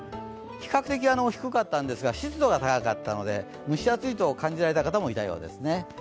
比較的低かったんですが湿度が高かったので蒸し暑いと感じられた方もいたようですね。